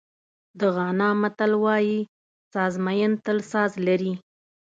د غانا متل وایي سازمېن تل ساز لري.